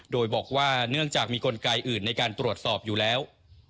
โดยบอกว่าเนื่องจากมีกลไกอื่นในการตรวจสอบอยู่แล้ว